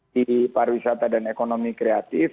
kami berusaha untuk mendapatkan keuntungan yang lebih baik